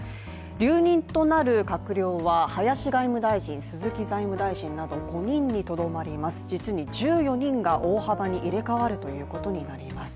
留任となる閣僚は林外務大臣、鈴木財務大臣など５人にとどまります、実に１４人が大幅に入れ替わるということになります。